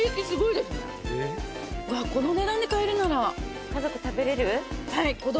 わあこの値段で買えるなら。